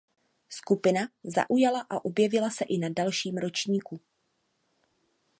Skupina zaujala a objevila se i na dalším ročníku.